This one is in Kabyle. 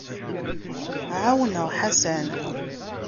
Ɛawneɣ Ḥasan.